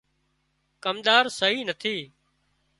ڪمۮار سئي نٿي